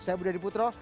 saya budi dari putro